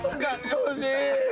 欲しい！